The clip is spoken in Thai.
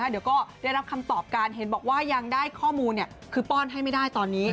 เดี๋ยวก็ได้รับคำตอบการเห็นบอกว่ายังได้ข้อมูลคือป้อนให้ไม่ได้ตอนนี้